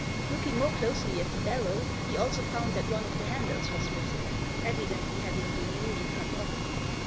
Looking more closely at the barrow he also found that one of the handles was missing, evidently having been newly cut off.